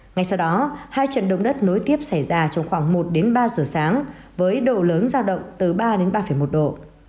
ngay sau đó hai trận động đất nối tiếp xảy ra trong khoảng một đến ba giờ sáng với độ lớn giao động từ ba đến ba một độ